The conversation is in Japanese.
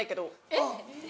えっ？